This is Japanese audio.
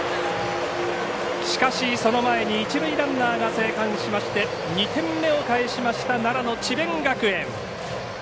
しかし、その前に一塁ランナーが生還しまして、２点目を返しました、奈良の智弁学園。